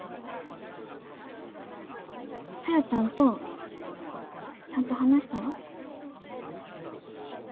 小夜ちゃんとちゃんと話したら？